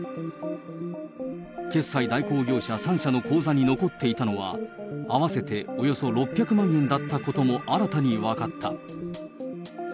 決済代行業者３社の口座に残っていたのは、合わせておよそ６００万円だったことも新たに分かった。